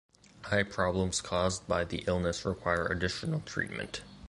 Eye problems caused by the illness require additional treatment.